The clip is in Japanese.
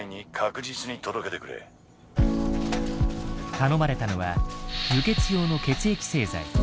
頼まれたのは輸血用の血液製剤。